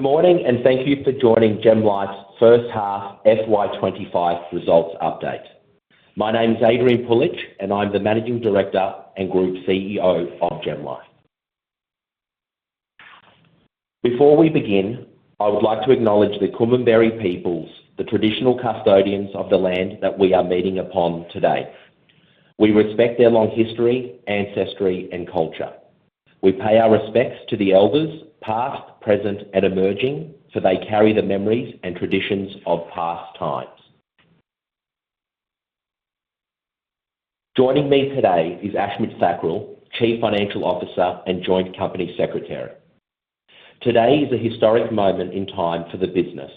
Good morning, and thank you for joining GemLife's first half FY 2025 results update. My name is Adrian Puljich, and I'm the Managing Director and Group CEO of GemLife. Before we begin, I would like to acknowledge the Kombumerri peoples, the traditional custodians of the land that we are meeting upon today. We respect their long history, ancestry, and culture. We pay our respects to the elders, past, present, and emerging, for they carry the memories and traditions of past times. Joining me today is Ashmit Thakral, Chief Financial Officer and Joint Company Secretary. Today is a historic moment in time for the business,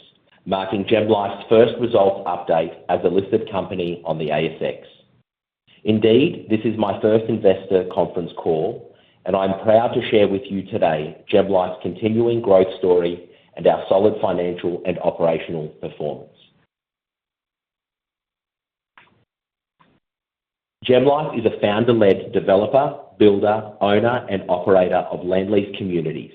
marking GemLife's first results update as a listed company on the ASX. Indeed, this is my first investor conference call, and I'm proud to share with you today GemLife's continuing growth story and our solid financial and operational performance. GemLife is a founder-led developer, builder, owner, and operator of land lease communities,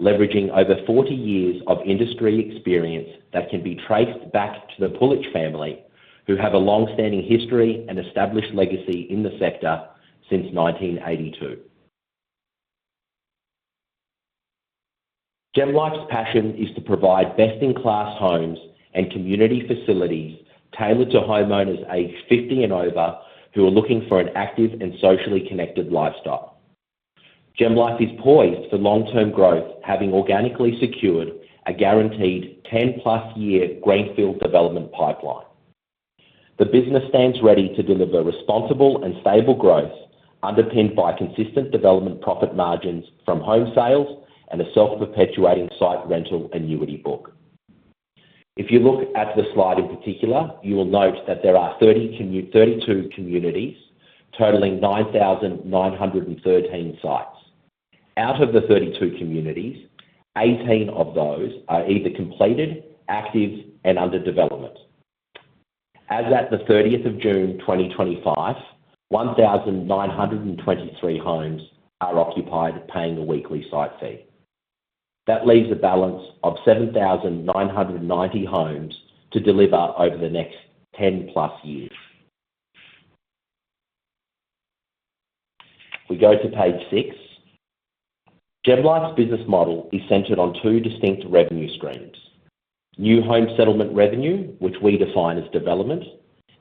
leveraging over 40 years of industry experience that can be traced back to the Puljich family, who have a long-standing history and established legacy in the sector since 1982. GemLife's passion is to provide best-in-class homes and community facilities tailored to homeowners aged 50 and over who are looking for an active and socially connected lifestyle. GemLife is poised for long-term growth, having organically secured a guaranteed 10+ year greenfield development pipeline. The business stands ready to deliver responsible and stable growth, underpinned by consistent development profit margins from home sales and a self-perpetuating site rental annuity book. If you look at the slide in particular, you will note that there are 32 communities totaling 9,913 sites. Out of the 32 communities, 18 of those are either completed, active, and under development. As at the 30th of June 2025, 1,923 homes are occupied, paying a weekly site fee. That leaves a balance of 7,990 homes to deliver over the next 10+ years. We go to page six. GemLife's business model is centered on two distinct revenue streams: new home settlement revenue, which we define as development,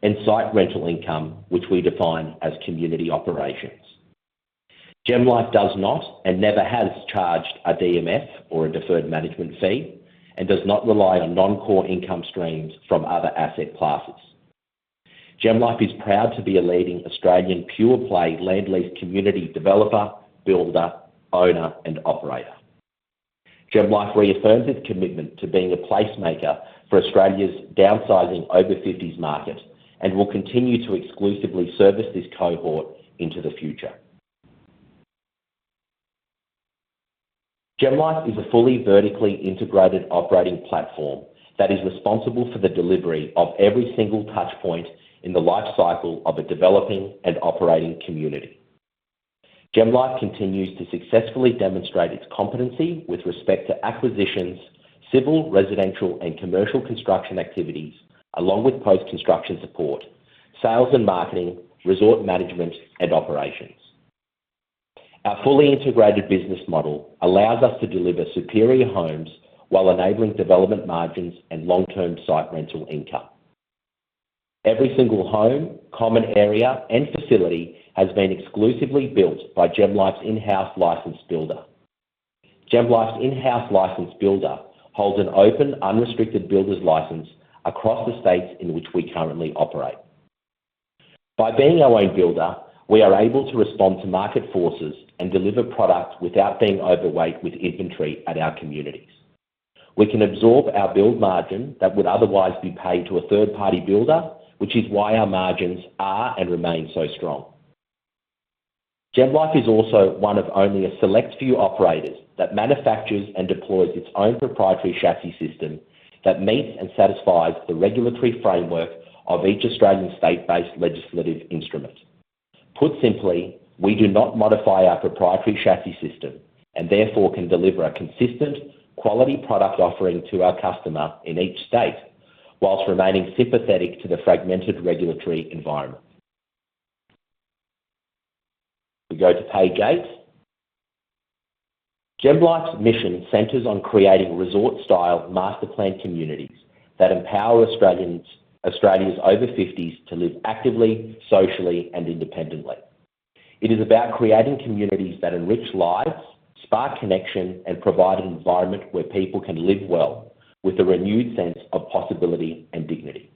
and site rental income, which we define as community operations. GemLife does not and never has charged a DMF or a deferred management fee and does not rely on non-core income streams from other asset classes. GemLife is proud to be a leading Australian pure-play land lease community developer, builder, owner, and operator. GemLife reaffirms its commitment to being a placemaker for Australia's downsizing over-50s market and will continue to exclusively service this cohort into the future. GemLife is a fully vertically integrated operating platform that is responsible for the delivery of every single touchpoint in the life cycle of a developing and operating community. GemLife continues to successfully demonstrate its competency with respect to acquisitions, civil, residential, and commercial construction activities, along with post-construction support, sales and marketing, resort management, and operations. Our fully integrated business model allows us to deliver superior homes while enabling development margins and long-term site rental income. Every single home, common area, and facility has been exclusively built by GemLife's in-house licensed builder. GemLife's in-house licensed builder holds an open, unrestricted builder's license across the states in which we currently operate. By being our own builder, we are able to respond to market forces and deliver product without being overweight with inventory at our communities. We can absorb our build margin that would otherwise be paid to a third-party builder, which is why our margins are and remain so strong. GemLife is also one of only a select few operators that manufactures and deploys its own proprietary chassis system that meets and satisfies the regulatory framework of each Australian state-based legislative instrument. Put simply, we do not modify our proprietary chassis system and therefore can deliver a consistent, quality product offering to our customer in each state whilst remaining sympathetic to the fragmented regulatory environment. We go to page eight. GemLife's mission centers on creating resort-style master plan communities that empower Australians over-50s to live actively, socially, and independently. It is about creating communities that enrich lives, spark connection, and provide an environment where people can live well with a renewed sense of possibility and dignity.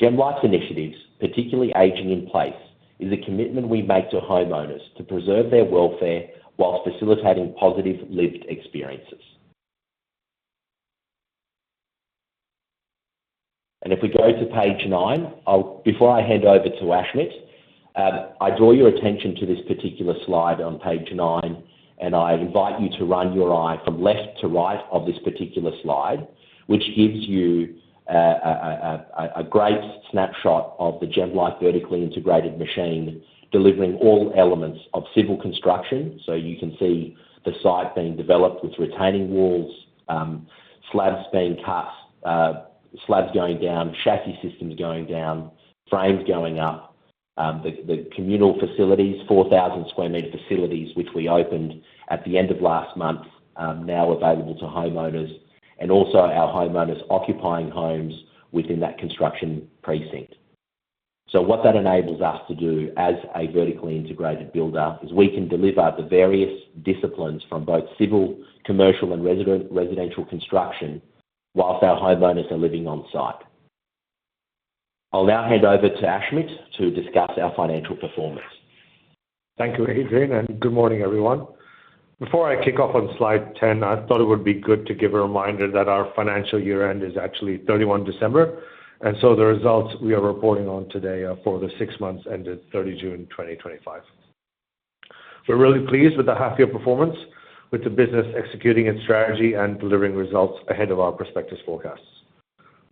GemLife's initiatives, particularly aging-in-place, is a commitment we make to homeowners to preserve their welfare whilst facilitating positive lived experiences. If we go to page nine, before I hand over to Ashmit, I draw your attention to this particular slide on page nine, and I invite you to run your eye from left to right of this particular slide, which gives you a great snapshot of the GemLife vertically integrated machine delivering all elements of civil construction. You can see the site being developed with retaining walls, slabs being cut, slabs going down, chassis systems going down, frames going up, the communal facilities, 4,000 sq m facilities, which we opened at the end of last month, now available to homeowners, and also our homeowners occupying homes within that construction precinct. What that enables us to do as a vertically integrated builder is we can deliver the various disciplines from both civil, commercial, and residential construction whilst our homeowners are living on site. I'll now hand over to Ashmit to discuss our financial performance. Thank you, Adrian, and good morning, everyone. Before I kick off on slide 10, I thought it would be good to give a reminder that our financial year-end is actually 31 December, and so the results we are reporting on today are for the six months ended 30 June 2025. We're really pleased with the half-year performance, with the business executing its strategy and delivering results ahead of our prospectus forecasts.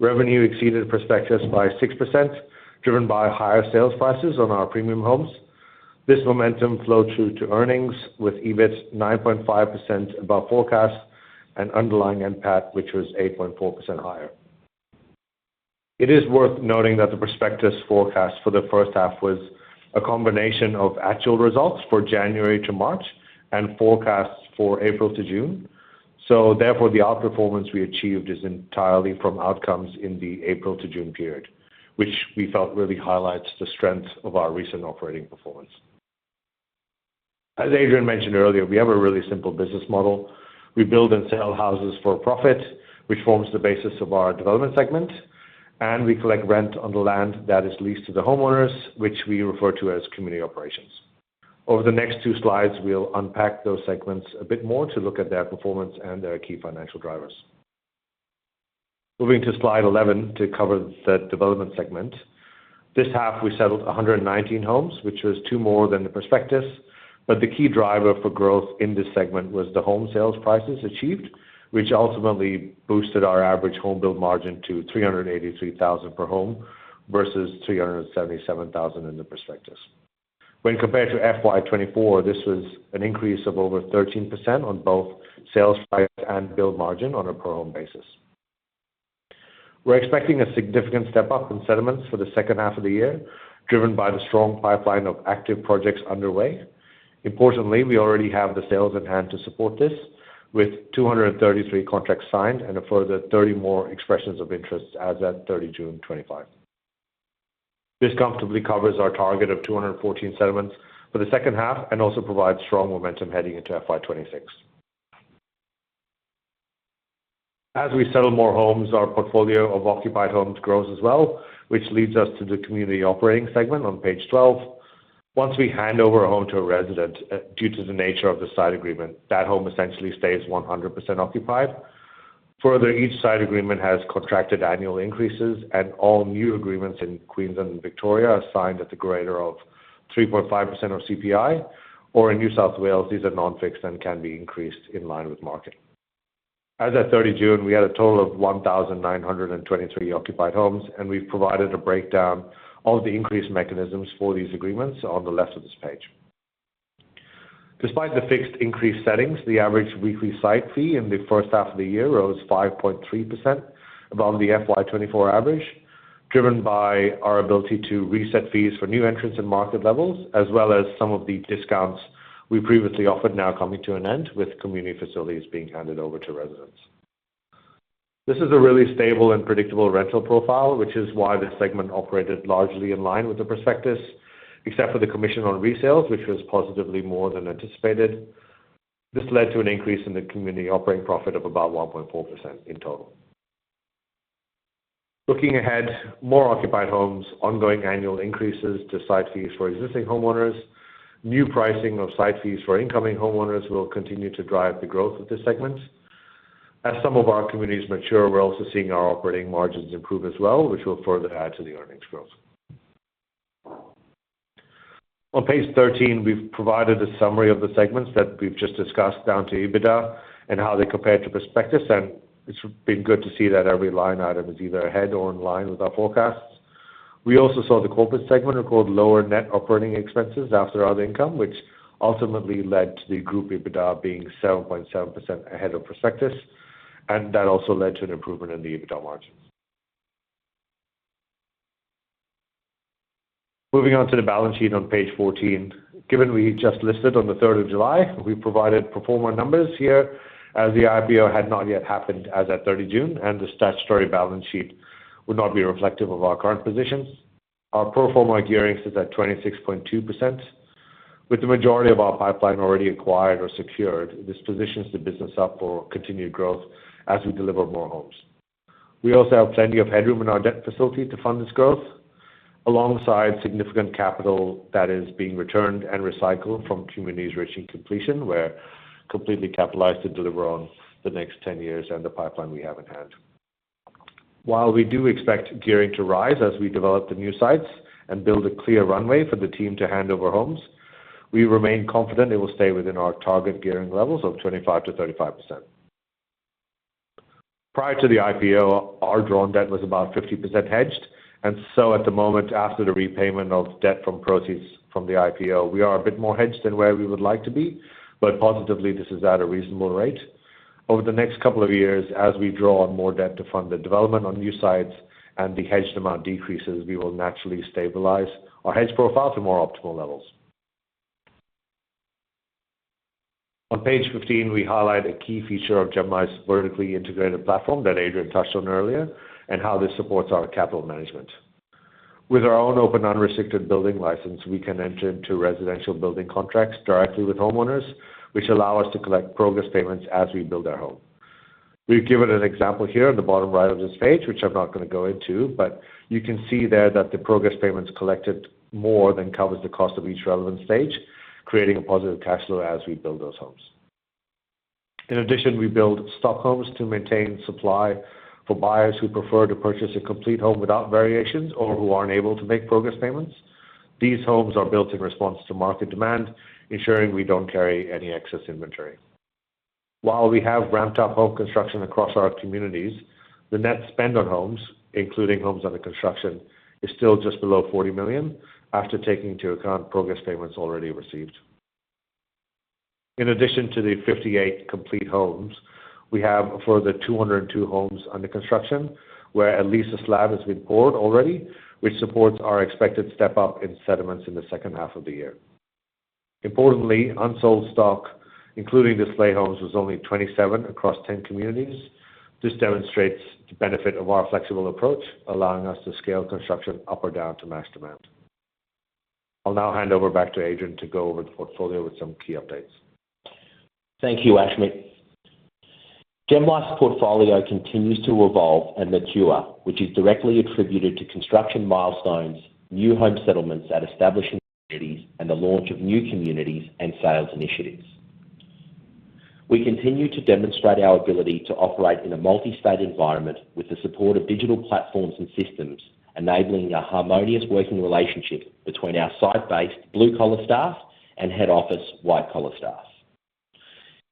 Revenue exceeded prospectus by 6%, driven by higher sales prices on our premium homes. This momentum flowed through to earnings with EBIT 9.5% above forecast and underlying NPAT, which was 8.4% higher. It is worth noting that the prospectus forecast for the first half was a combination of actual results for January to March and forecasts for April to June. Therefore, the outperformance we achieved is entirely from outcomes in the April to June period, which we felt really highlights the strength of our recent operating performance. As Adrian mentioned earlier, we have a really simple business model. We build and sell houses for profit, which forms the basis of our development segment, and we collect rent on the land that is leased to the homeowners, which we refer to as community operations. Over the next two slides, we'll unpack those segments a bit more to look at their performance and their key financial drivers. Moving to slide 11 to cover the development segment. This half, we settled 119 homes, which was two more than the prospectus, but the key driver for growth in this segment was the home sales prices achieved, which ultimately boosted our average home build margin to 383,000 per home versus 377,000 in the prospectus. When compared to FY 2024, this was an increase of over 13% on both sales price and build margin on a per-home basis. We're expecting a significant step up in settlements for the second half of the year, driven by the strong pipeline of active projects underway. Importantly, we already have the sales at hand to support this, with 233 contracts signed and a further 30 more expressions of interest as of 30 June 2025. This comfortably covers our target of 214 settlements for the second half and also provides strong momentum heading into FY 2026. As we settle more homes, our portfolio of occupied homes grows as well, which leads us to the community operating segment on page 12. Once we hand over a home to a resident, due to the nature of the site agreement, that home essentially stays 100% occupied. Further, each site agreement has contracted annual increases, and all new agreements in Queensland and Victoria are signed at the greater of 3.5% or CPI, or in New South Wales, these are non-fixed and can be increased in line with market. As of 30 June, we had a total of 1,923 occupied homes, and we've provided a breakdown of the increase mechanisms for these agreements on the left of this page. Despite the fixed increase settings, the average weekly site fee in the first half of the year rose 5.3% above the FY 2024 average, driven by our ability to reset fees for new entrants and market levels, as well as some of the discounts we previously offered now coming to an end with community facilities being handed over to residents. This is a really stable and predictable rental profile, which is why the segment operated largely in line with the prospectus, except for the commission on resales, which was positively more than anticipated. This led to an increase in the community operating profit of about 1.4% in total. Looking ahead, more occupied homes, ongoing annual increases to site fees for existing homeowners, new pricing of site fees for incoming homeowners will continue to drive the growth of this segment. As some of our communities mature, we're also seeing our operating margins improve as well, which will further add to the earnings growth. On page 13, we've provided a summary of the segments that we've just discussed down to EBITDA and how they compare to prospectus, and it's been good to see that every line item is either ahead or in line with our forecasts. We also saw the corporate segment record lower net operating expenses after other income, which ultimately led to the group EBITDA being 7.7% ahead of prospectus, and that also led to an improvement in the EBITDA margins. Moving on to the balance sheet on page 14, given we just listed on the 3rd of July, we provided pro forma numbers here as the IPO had not yet happened as of 30 June, and the statutory balance sheet would not be reflective of our current positions. Our pro forma gearing is at 26.2%. With the majority of our pipeline already acquired or secured, this positions the business up for continued growth as we deliver more homes. We also have plenty of headroom in our debt facility to fund this growth, alongside significant capital that is being returned and recycled from communities reaching completion, where completely capitalized to deliver on the next 10 years and the pipeline we have in hand. While we do expect gearing to rise as we develop the new sites and build a clear runway for the team to hand over homes, we remain confident it will stay within our target gearing levels of 25%-35%. Prior to the IPO, our drawn debt was about 50% hedged, and so at the moment, after the repayment of debt from proceeds from the IPO, we are a bit more hedged than where we would like to be, but positively this is at a reasonable rate. Over the next couple of years, as we draw on more debt to fund the development on new sites and the hedged amount decreases, we will naturally stabilize our hedge profile to more optimal levels. On page 15, we highlight a key feature of GemLife's vertically integrated platform that Adrian touched on earlier and how this supports our capital management. With our own open unrestricted building license, we can enter into residential building contracts directly with homeowners, which allow us to collect progress payments as we build our home. We've given an example here on the bottom right of this page, which I'm not going to go into, but you can see there that the progress payments collected more than covers the cost of each relevant stage, creating a positive cash flow as we build those homes. In addition, we build stock homes to maintain supply for buyers who prefer to purchase a complete home without variations or who are not able to make progress payments. These homes are built in response to market demand, ensuring we do not carry any excess inventory. While we have ramped up home construction across our communities, the net spend on homes, including homes under construction, is still just below 40 million after taking into account progress payments already received. In addition to the 58 complete homes, we have a further 202 homes under construction, where at least a slab has been poured already, which supports our expected step up in settlements in the second half of the year. Importantly, unsold stock, including display homes, was only 27 across 10 communities. This demonstrates the benefit of our flexible approach, allowing us to scale construction up or down to match demand. I'll now hand over back to Adrian to go over the portfolio with some key updates. Thank you, Ashmit. GemLife's portfolio continues to evolve and mature, which is directly attributed to construction milestones, new home settlements at establishing communities, and the launch of new communities and sales initiatives. We continue to demonstrate our ability to operate in a multi-state environment with the support of digital platforms and systems, enabling a harmonious working relationship between our site-based blue-collar staff and head office white-collar staff.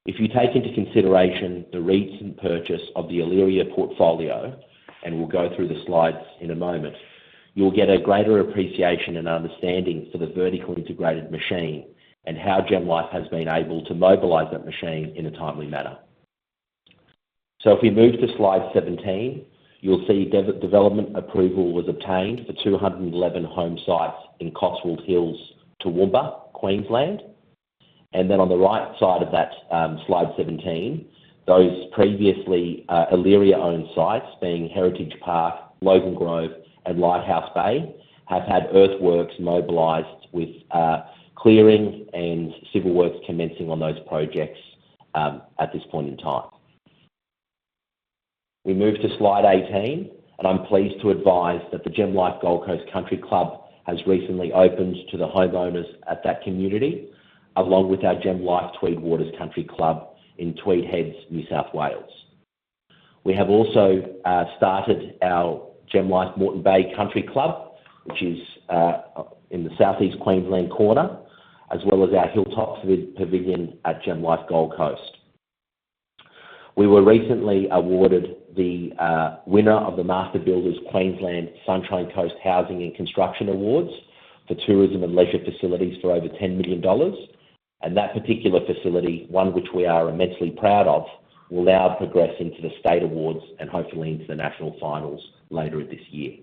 If you take into consideration the recent purchase of the Aliria portfolio, and we will go through the slides in a moment, you will get a greater appreciation and understanding for the vertically integrated machine and how GemLife has been able to mobilize that machine in a timely manner. If we move to slide 17, you will see development approval was obtained for 211 home sites in Cotswold Hills, Toowoomba, Queensland. On the right side of that slide 17, those previously Aliria-owned sites, being Heritage Park, Logan Grove, and Lighthouse Bay, have had earthworks mobilized with clearing and civil works commencing on those projects at this point in time. We move to slide 18, and I'm pleased to advise that the GemLife Gold Coast Country Club has recently opened to the homeowners at that community, along with our GemLife Tweed Waters Country Club in Tweed Heads, New South Wales. We have also started our GemLife Moreton Bay Country Club, which is in the Southeast Queensland corner, as well as our Hilltop Pavilion at GemLife Gold Coast. We were recently awarded the winner of the Master Builders Queensland Sunshine Coast Housing and Construction Awards for tourism and leisure facilities for over 10 million dollars, and that particular facility, one which we are immensely proud of, will now progress into the state awards and hopefully into the national finals later this year.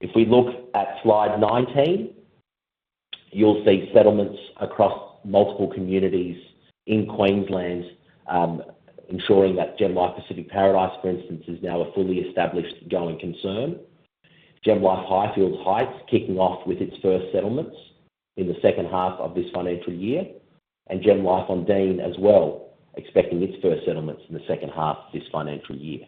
If we look at slide 19, you'll see settlements across multiple communities in Queensland, ensuring that GemLife Pacific Paradise, for instance, is now a fully established going concern. GemLife Highfields Heights kicking off with its first settlements in the second half of this financial year, and GemLife on Dean as well, expecting its first settlements in the second half of this financial year.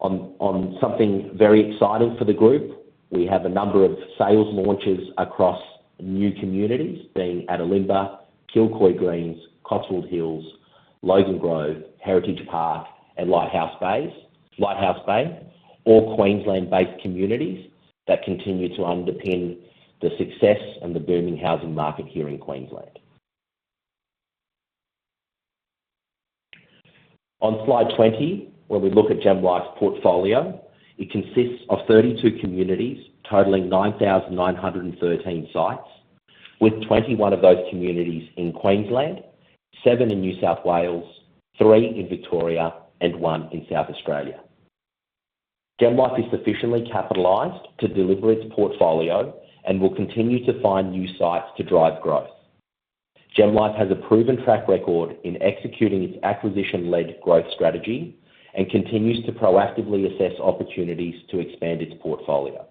On something very exciting for the group, we have a number of sales launches across new communities, being at Elimbah, Kilcoy Greens, Cotswold Hills, Logan Grove, Heritage Park, and Lighthouse Bay, or Queensland-based communities that continue to underpin the success and the booming housing market here in Queensland. On slide 20, when we look at GemLife's portfolio, it consists of 32 communities totaling 9,913 sites, with 21 of those communities in Queensland, 7 in New South Wales, 3 in Victoria, and 1 in South Australia. GemLife is sufficiently capitalized to deliver its portfolio and will continue to find new sites to drive growth. GemLife has a proven track record in executing its acquisition-led growth strategy and continues to proactively assess opportunities to expand its portfolio.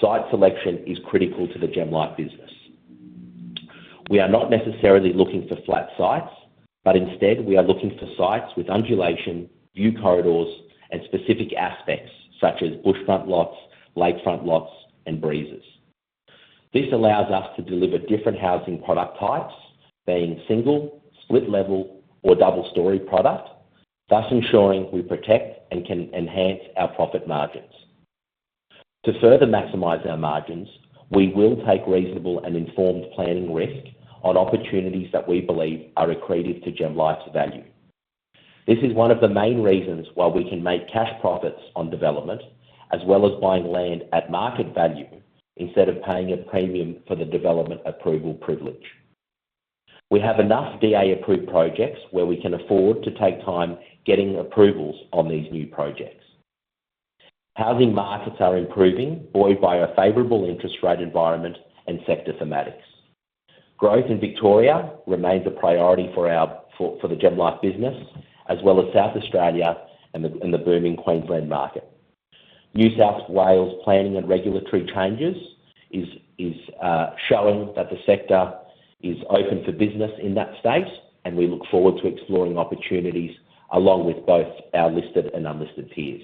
Site selection is critical to the GemLife business. We are not necessarily looking for flat sites, but instead, we are looking for sites with undulation, view corridors, and specific aspects such as bushfront lots, lakefront lots, and breezes. This allows us to deliver different housing product types, being single, split-level, or double-story product, thus ensuring we protect and can enhance our profit margins. To further maximize our margins, we will take reasonable and informed planning risk on opportunities that we believe are accretive to GemLife's value. This is one of the main reasons why we can make cash profits on development, as well as buying land at market value instead of paying a premium for the development approval privilege. We have enough DA-approved projects where we can afford to take time getting approvals on these new projects. Housing markets are improving, buoyed by our favorable interest rate environment and sector thematics. Growth in Victoria remains a priority for the GemLife business, as well as South Australia and the booming Queensland market. New South Wales' planning and regulatory changes are showing that the sector is open for business in that state, and we look forward to exploring opportunities along with both our listed and unlisted tiers.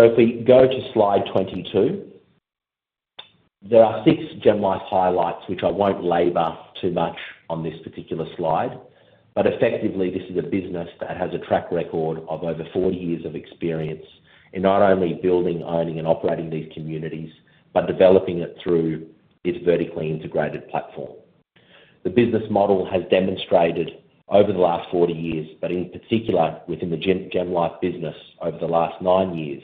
If we go to slide 22, there are six GemLife highlights, which I won't labor too much on this particular slide, but effectively, this is a business that has a track record of over 40 years of experience in not only building, owning, and operating these communities, but developing it through its vertically integrated platform. The business model has demonstrated over the last 40 years, but in particular within the GemLife business over the last nine years,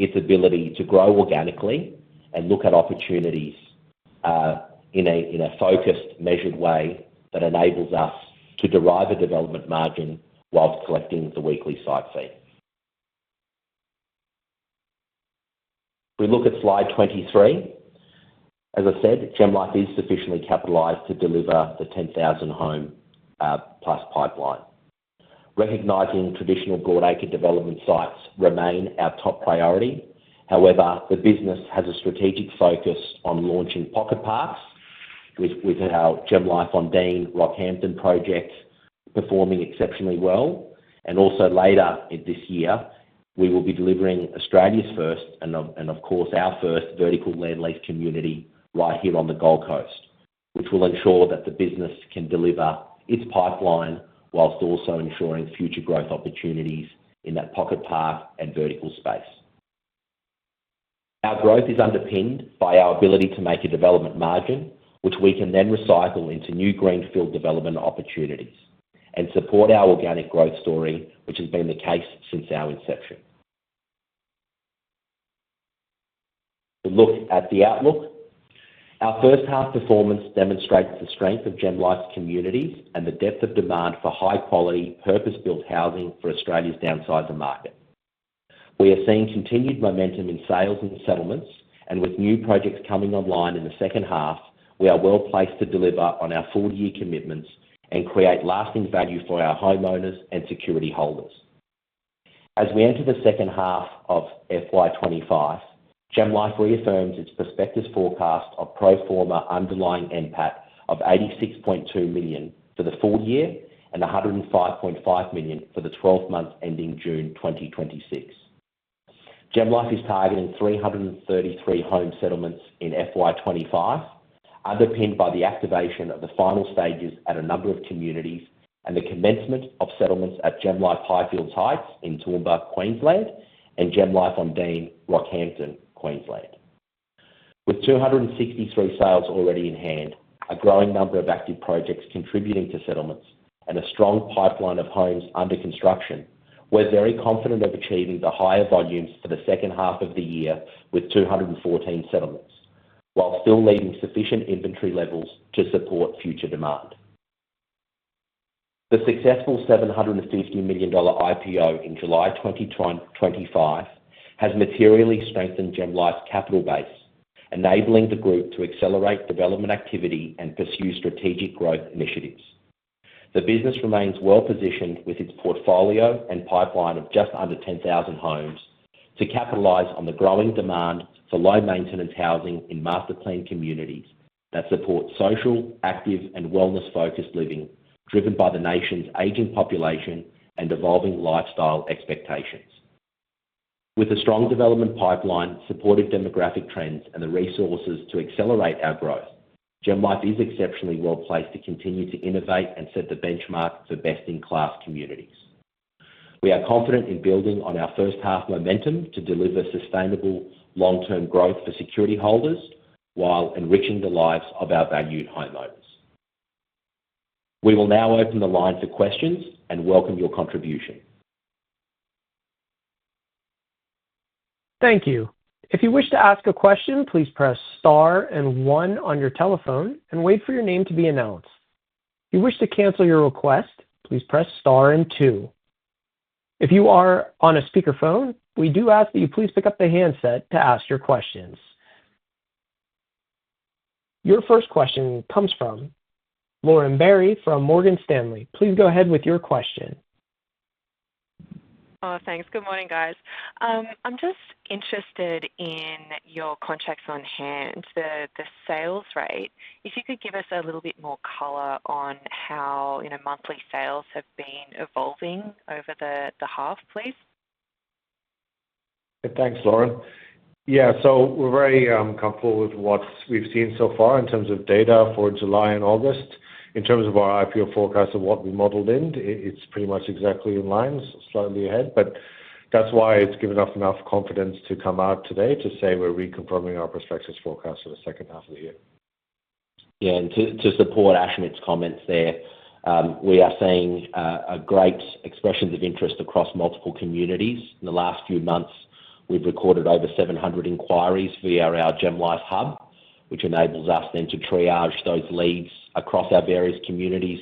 its ability to grow organically and look at opportunities in a focused, measured way that enables us to derive a development margin whilst collecting the weekly site fee. If we look at slide 23, as I said, GemLife is sufficiently capitalized to deliver the 10,000 home plus pipeline. Recognizing traditional broadacre development sites remain our top priority, however, the business has a strategic focus on launching pocket parks, with our GemLife on Dean Rockhampton project performing exceptionally well. Also, later this year, we will be delivering Australia's first, and of course, our first vertical land lease community right here on the Gold Coast, which will ensure that the business can deliver its pipeline whilst also ensuring future growth opportunities in that pocket park and vertical space. Our growth is underpinned by our ability to make a development margin, which we can then recycle into new greenfield development opportunities and support our organic growth story, which has been the case since our inception. To look at the outlook, our first-half performance demonstrates the strength of GemLife's communities and the depth of demand for high-quality, purpose-built housing for Australia's downsizing market. We are seeing continued momentum in sales and settlements, and with new projects coming online in the second half, we are well placed to deliver on our full-year commitments and create lasting value for our homeowners and security holders. As we enter the second half of FY 2025, GemLife reaffirms its prospectus forecast of pro forma underlying NPAT of 86.2 million for the full year and 105.5 million for the 12 months ending June 2026. GemLife is targeting 333 home settlements in FY 2025, underpinned by the activation of the final stages at a number of communities and the commencement of settlements at GemLife Highfields Heights in Toowoomba, Queensland, and GemLife On Dean Rockhampton, Queensland. With 263 sales already in hand, a growing number of active projects contributing to settlements, and a strong pipeline of homes under construction, we're very confident of achieving the higher volumes for the second half of the year with 214 settlements, while still needing sufficient inventory levels to support future demand. The successful 750 million dollar IPO in July 2025 has materially strengthened GemLife's capital base, enabling the group to accelerate development activity and pursue strategic growth initiatives. The business remains well positioned with its portfolio and pipeline of just under 10,000 homes to capitalize on the growing demand for low-maintenance housing in master planned communities that support social, active, and wellness-focused living, driven by the nation's aging population and evolving lifestyle expectations. With a strong development pipeline, supportive demographic trends, and the resources to accelerate our growth, GemLife is exceptionally well placed to continue to innovate and set the benchmark for best-in-class communities. We are confident in building on our first-half momentum to deliver sustainable long-term growth for security holders while enriching the lives of our valued homeowners. We will now open the line for questions and welcome your contribution. Thank you. If you wish to ask a question, please press Star and 1 on your telephone and wait for your name to be announced. If you wish to cancel your request, please press Star and 2. If you are on a speakerphone, we do ask that you please pick up the handset to ask your questions. Your first question comes from Lauren Berry from Morgan Stanley. Please go ahead with your question. Thanks. Good morning, guys. I'm just interested in your contracts on hand, the sales rate. If you could give us a little bit more color on how monthly sales have been evolving over the half, please. Thanks, Lauren. Yeah, we're very comfortable with what we've seen so far in terms of data for July and August. In terms of our IPO forecast of what we modeled in, it's pretty much exactly in line, slightly ahead, but that's why it's given us enough confidence to come out today to say we're reconfirming our prospectus forecast for the second half of the year. Yeah, and to support Ashmit's comments there, we are seeing great expressions of interest across multiple communities. In the last few months, we've recorded over 700 inquiries via our GemLife Hub, which enables us then to triage those leads across our various communities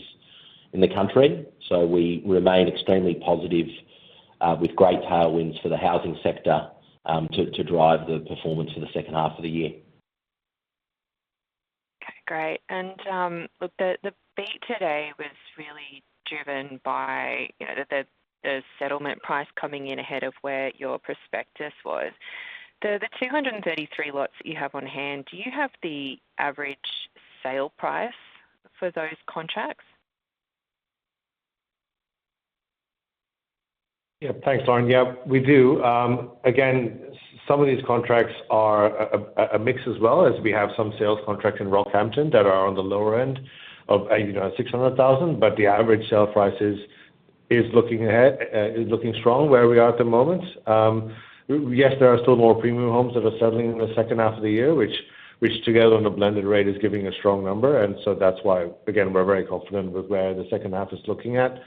in the country. We remain extremely positive with great tailwinds for the housing sector to drive the performance for the second half of the year. Okay, great. Look, the beat today was really driven by the settlement price coming in ahead of where your prospectus was. The 233 lots that you have on hand, do you have the average sale price for those contracts? Yeah, thanks, Lauren. Yeah, we do. Again, some of these contracts are a mix as well, as we have some sales contracts in Rockhampton that are on the lower end of 600,000, but the average sale price is looking strong where we are at the moment. Yes, there are still more premium homes that are settling in the second half of the year, which together on a blended rate is giving a strong number, and that is why, again, we are very confident with where the second half is looking at,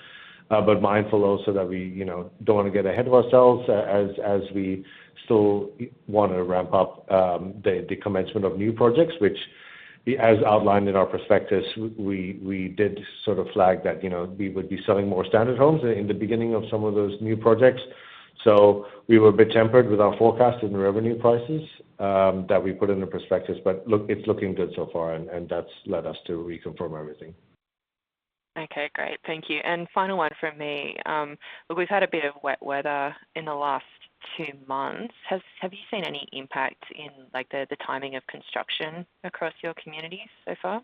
but mindful also that we do not want to get ahead of ourselves as we still want to ramp up the commencement of new projects, which, as outlined in our prospectus, we did sort of flag that we would be selling more standard homes in the beginning of some of those new projects. We were a bit tempered with our forecast and the revenue prices that we put in the prospectus, but look, it's looking good so far, and that's led us to reconfirm everything. Okay, great. Thank you. Final one from me. Look, we've had a bit of wet weather in the last two months. Have you seen any impact in the timing of construction across your communities so far?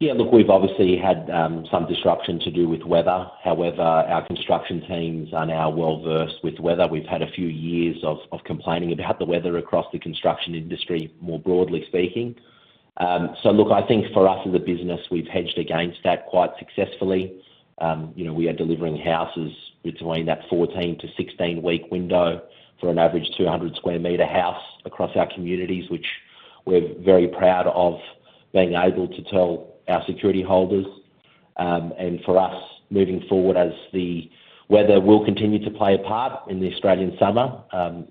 Yeah, look, we've obviously had some disruption to do with weather. However, our construction teams are now well versed with weather. We've had a few years of complaining about the weather across the construction industry, more broadly speaking. I think for us as a business, we've hedged against that quite successfully. We are delivering houses between that 14 week-16 week window for an average 200 sq m house across our communities, which we're very proud of being able to tell our security holders. For us, moving forward, as the weather will continue to play a part in the Australian summer,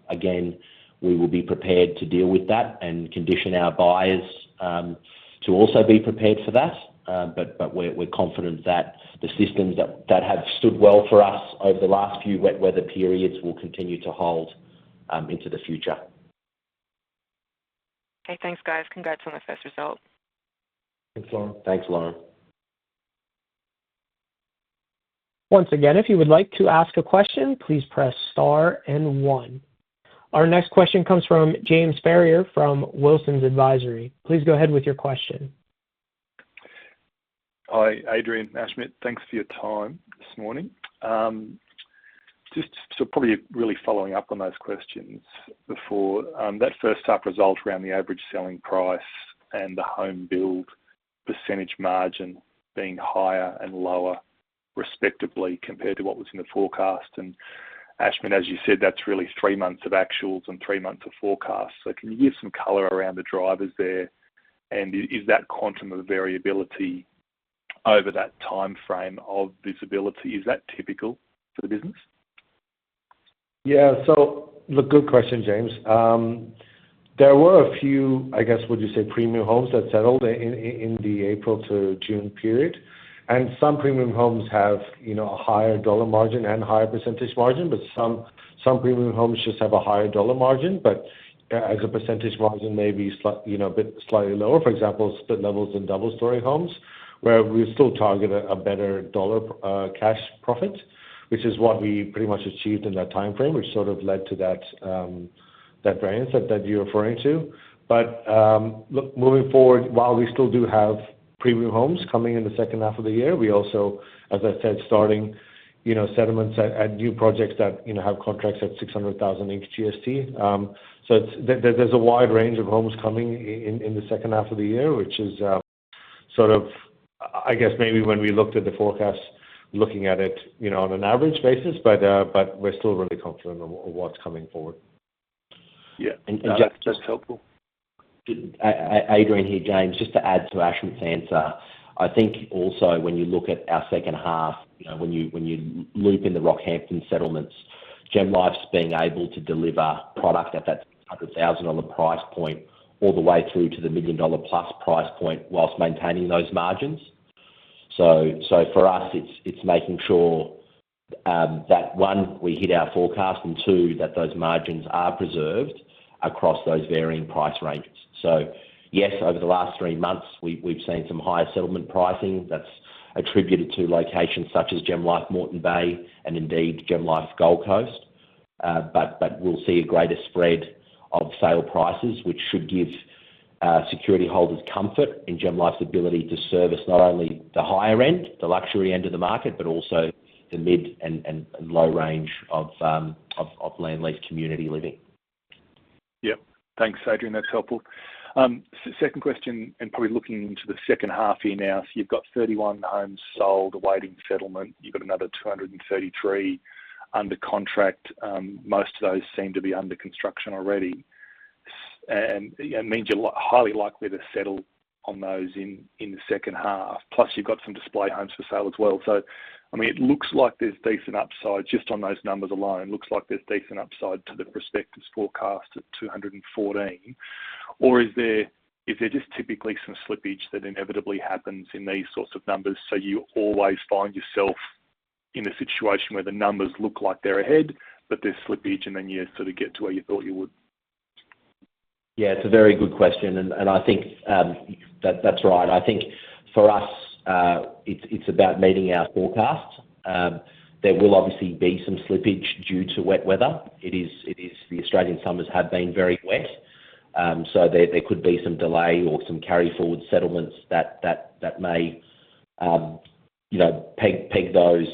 again, we will be prepared to deal with that and condition our buyers to also be prepared for that, but we're confident that the systems that have stood well for us over the last few wet weather periods will continue to hold into the future. Okay, thanks, guys. Congrats on the first result. Thanks, Lauren. Thanks, Lauren. Once again, if you would like to ask a question, please press Star and 1. Our next question comes from James Ferrier from Wilsons Advisory. Please go ahead with your question. Hi, Adrian. Ashmit, thanks for your time this morning. Probably really following up on those questions before, that first-half result around the average selling price and the home build percentage margin being higher and lower, respectively, compared to what was in the forecast. Ashmit, as you said, that's really three months of actuals and three months of forecasts. Can you give some color around the drivers there? Is that quantum of variability over that timeframe of visibility, is that typical for the business? Yeah, so look, good question, James. There were a few, I guess, would you say, premium homes that settled in the April to June period. And some premium homes have a higher dollar margin and higher % margin, but some premium homes just have a higher dollar margin, but as a % margin, maybe a bit slightly lower, for example, split levels in double-story homes, where we still target a better dollar cash profit, which is what we pretty much achieved in that timeframe, which sort of led to that variance that you're referring to. Look, moving forward, while we still do have premium homes coming in the second half of the year, we also, as I said, starting settlements at new projects that have contracts at 600,000. There is a wide range of homes coming in the second half of the year, which is sort of, I guess, maybe when we looked at the forecast, looking at it on an average basis, but we are still really confident of what is coming forward. Yeah, and just helpful. Adrian here, James, just to add to Ashmit's answer, I think also when you look at our second half, when you loop in the Rockhampton settlements, GemLife's been able to deliver product at that 100,000 price point all the way through to the million-dollar-plus price point whilst maintaining those margins. For us, it's making sure that, one, we hit our forecast, and two, that those margins are preserved across those varying price ranges. Yes, over the last three months, we've seen some higher settlement pricing that's attributed to locations such as GemLife Moreton Bay and indeed GemLife Gold Coast, but we'll see a greater spread of sale prices, which should give security holders comfort in GemLife's ability to service not only the higher end, the luxury end of the market, but also the mid and low range of land lease community living. Yep. Thanks, Adrian. That's helpful. Second question, and probably looking into the second half here now, you have 31 homes sold awaiting settlement. You have another 233 under contract. Most of those seem to be under construction already. It means you are highly likely to settle on those in the second half. Plus, you have some display homes for sale as well. I mean, it looks like there is decent upside just on those numbers alone. It looks like there is decent upside to the prospectus forecast at 214. Is there just typically some slippage that inevitably happens in these sorts of numbers? You always find yourself in a situation where the numbers look like they are ahead, but there is slippage, and then you sort of get to where you thought you would? Yeah, it's a very good question. I think that's right. I think for us, it's about meeting our forecast. There will obviously be some slippage due to wet weather. The Australian summers have been very wet. There could be some delay or some carry-forward settlements that may peg those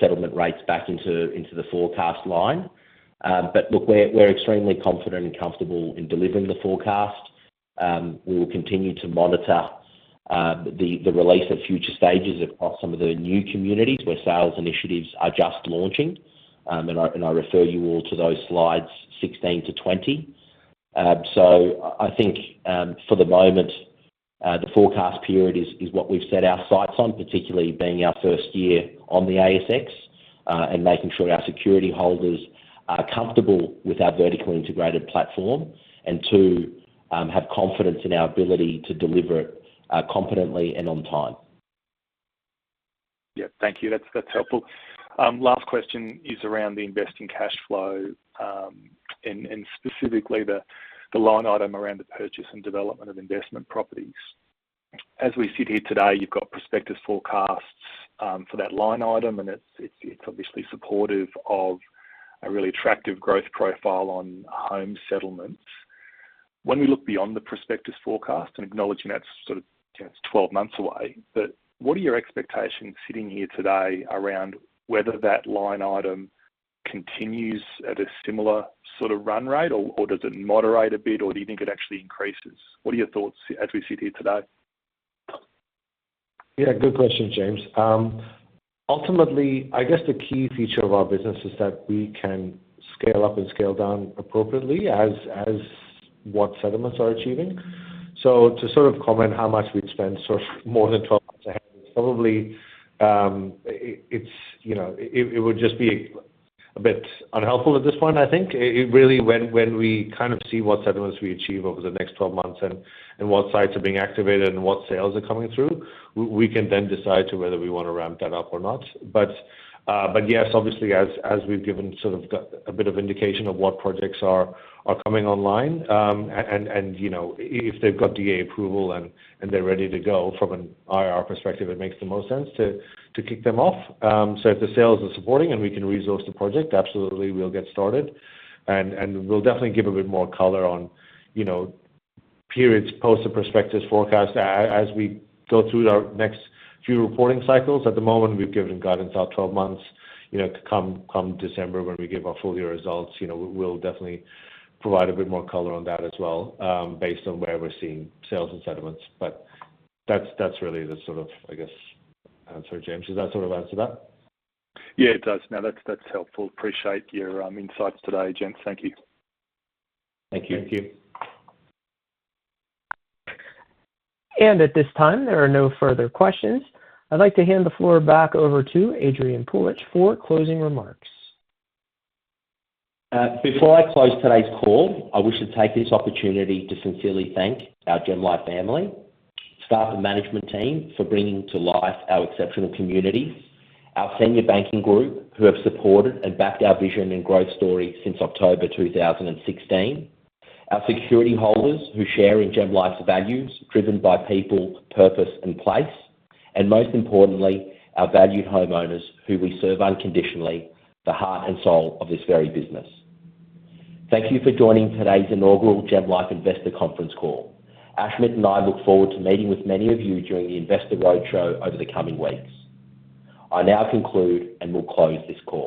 settlement rates back into the forecast line. Look, we're extremely confident and comfortable in delivering the forecast. We will continue to monitor the release of future stages across some of the new communities where sales initiatives are just launching. I refer you all to those slides 16 to 20. I think for the moment, the forecast period is what we've set our sights on, particularly being our first year on the ASX and making sure our security holders are comfortable with our vertically integrated platform, and two, have confidence in our ability to deliver it competently and on time. Yeah, thank you. That's helpful. Last question is around the investing cash flow and specifically the line item around the purchase and development of investment properties. As we sit here today, you've got prospectus forecasts for that line item, and it's obviously supportive of a really attractive growth profile on home settlements. When we look beyond the prospectus forecast, and acknowledging that's sort of 12 months away, what are your expectations sitting here today around whether that line item continues at a similar sort of run rate, or does it moderate a bit, or do you think it actually increases? What are your thoughts as we sit here today? Yeah, good question, James. Ultimately, I guess the key feature of our business is that we can scale up and scale down appropriately as what settlements are achieving. To sort of comment how much we'd spend sort of more than 12 months ahead, it probably would just be a bit unhelpful at this point, I think. Really, when we kind of see what settlements we achieve over the next 12 months and what sites are being activated and what sales are coming through, we can then decide whether we want to ramp that up or not. Yes, obviously, as we've given sort of a bit of indication of what projects are coming online, and if they've got DA approval and they're ready to go from an IR perspective, it makes the most sense to kick them off. If the sales are supporting and we can resource the project, absolutely, we'll get started. We'll definitely give a bit more color on periods post the prospectus forecast as we go through our next few reporting cycles. At the moment, we've given guidance out 12 months. Come December when we give our full year results, we'll definitely provide a bit more color on that as well based on where we're seeing sales and settlements. That's really the sort of, I guess, answer, James. Does that sort of answer that? Yeah, it does. No, that's helpful. Appreciate your insights today, James. Thank you. Thank you. At this time, there are no further questions. I'd like to hand the floor back over to Adrian Puljich for closing remarks. Before I close today's call, I wish to take this opportunity to sincerely thank our GemLife family, staff and management team for bringing to life our exceptional communities, our senior banking group who have supported and backed our vision and growth story since October 2016, our security holders who share in GemLife's values driven by people, purpose, and place, and most importantly, our valued homeowners who we serve unconditionally, the heart and soul of this very business. Thank you for joining today's inaugural GemLife investor conference call. Ashmit and I look forward to meeting with many of you during the investor roadshow over the coming weeks. I now conclude and will close this call.